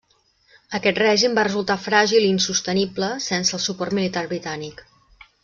Aquest règim va resultar fràgil, i insostenible sense el suport militar britànic.